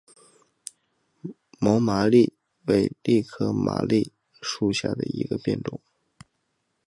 毛麻楝为楝科麻楝属下的一个变种。